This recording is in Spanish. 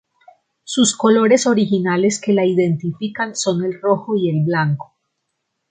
Sus colores originales que la identifican son el rojo y el blanco.